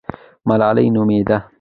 ملالۍ نومېده.